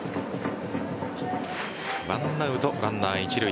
１アウトランナー一塁。